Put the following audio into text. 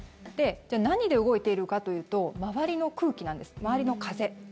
じゃあ何で動いているかというと周りの空気なんです周りの風。